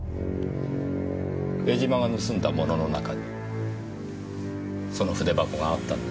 江島が盗んだものの中にその筆箱があったんですね？